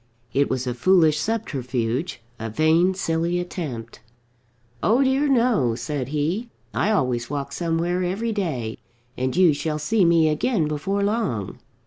It was a foolish subterfuge; a vain, silly attempt. "Oh dear no," said he; "I always walk somewhere every day, and you shall see me again before long."